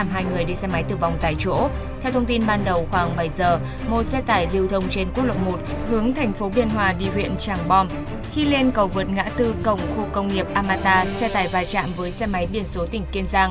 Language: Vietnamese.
hãy đăng ký kênh để ủng hộ kênh của chúng mình nhé